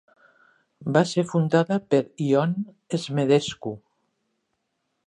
Va ser fundada per Ion Smedescu.